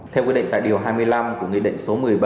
theo quy định tại điều hai mươi năm của nghị định số một mươi bảy